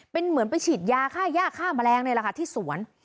เป็นเหมือนไปฉีดยาค่าย่าฆ่าแมลงนี่แหละค่ะที่สวน